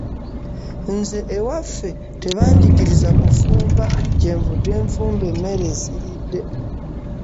Nze ewaffe tebanjigiriza kufumba kye nvudde nfumba emmere esiridde.